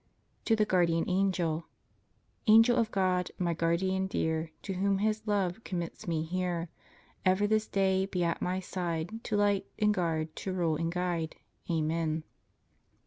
TO THE GUARDIAN ANGEL. Angel of God, my guardian dear, To whom His love commits me here, Ever this day be at my side, To light and guard, to rule and guide. Amen.